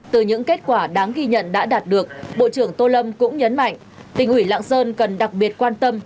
từ những kết quả đáng ghi nhận đã đạt được bộ trưởng tô lâm cũng nhấn mạnh tỉnh ủy lạng sơn cần đặc biệt quan tâm